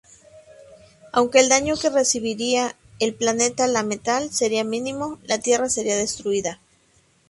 Aunque el daño que recibiría el planeta La-Metal sería mínimo, la Tierra sería destruida.